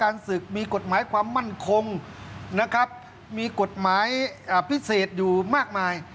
นะครับมีกฎหมายพิเศษอยู่มากมาย